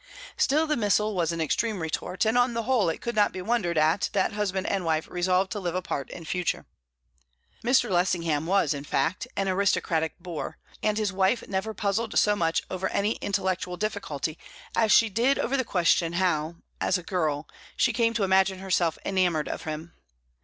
Still, the missile was an extreme retort, and on the whole it could not be wondered at that husband and wife resolved to live apart in future. Mr. Lessingham was, in fact, an aristocratic boor, and his wife never puzzled so much over any intellectual difficulty as she did over the question how, as a girl, she came to imagine herself enamoured of him.